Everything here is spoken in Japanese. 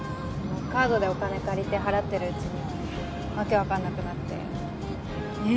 カードでお金借りて払ってるうちに訳分かんなくなってえ！